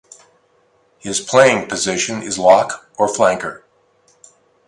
His playing position is lock or flanker.